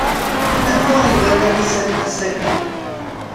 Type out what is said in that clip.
Anwa iwalan isallen ass-agi?